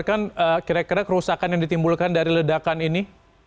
bagaimana anda menganggarkan kira kira kerusakan yang ditimbulkan dari ledakan ini